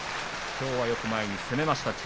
きょうは、よく攻めました。